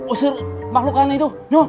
usur makhlukannya itu